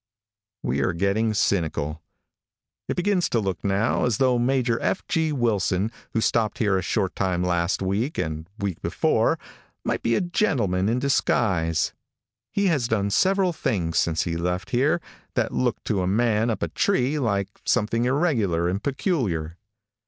WE ARE GETTING CYNICAL |IT begins to look now as though Major F. G. Wilson, who stopped here a short time last week and week before, might be a gentleman in disguise. He has done several things since he left here, that look to a man up a tree like something irregular and peculiar.